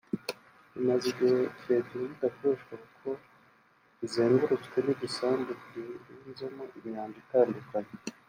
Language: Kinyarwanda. rimaze igihe kirekire ridakoreshwa kuko rizengurutswe n’igisambu kirunzemo imyanda itandukanye